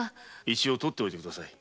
一応取っておいて下さい。